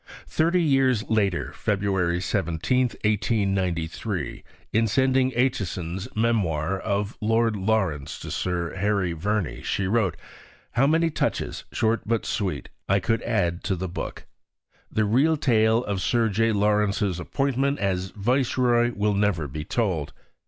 Thirty years later (Feb. 17, 1893), in sending Aitchison's Memoir of Lord Lawrence to Sir Harry Verney, she wrote: "How many touches short but sweet I could add to the book! The real tale of Sir J. Lawrence's appointment as Viceroy will never be told.